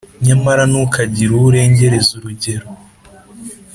Nyamara ntukagire uwo urengereza urugero,